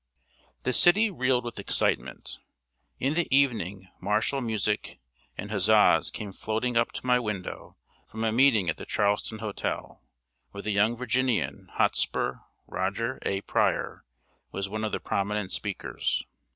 ] The city reeled with excitement. In the evening martial music and huzzas came floating up to my window from a meeting at the Charleston Hotel, where the young Virginian Hotspur, Roger A. Pryor, was one of the prominent speakers.